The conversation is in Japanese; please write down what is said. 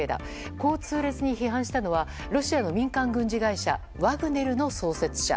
こう痛烈に批判したのはロシアの民間軍事会社ワグネルの創設者。